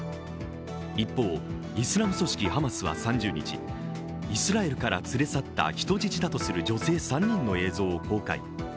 一方、イスラム組織ハマスは３０日イスラエルから連れ去った人質だとする女性３人の映像を公開。